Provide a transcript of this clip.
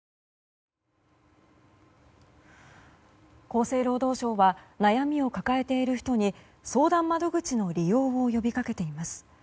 厚生労働省は悩みを抱えている人に相談窓口の利用を呼びかけています。